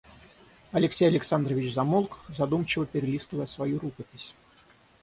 Алексей Александрович замолк, задумчиво перелистывая свою рукопись.